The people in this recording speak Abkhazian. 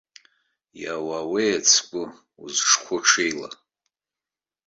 Иауауеи ацгәы, узҿқәоу ҽеила.